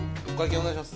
お願いします